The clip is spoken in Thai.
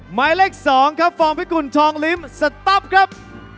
หมายเลข๒ครับฟอร์มพิกุลทองลิ้มสต๊อปครับ